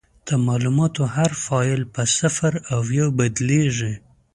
د معلوماتو هر فایل په صفر او یو بدلېږي.